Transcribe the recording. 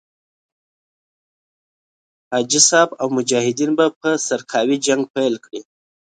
حاجي صاحب او مجاهدین به په سرکاوي جنګ پيل کړي.